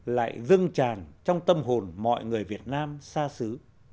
lại dâng tràn trong tâm hồn mọi người việt nam xa xứ